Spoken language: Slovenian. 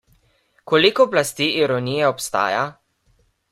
Koliko plasti ironije obstaja?